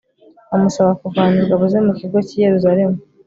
amusaba kuvana ingabo ze mu kigo cy'i yeruzalemu